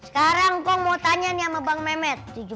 sekarang kok mau tanya nih sama bang memet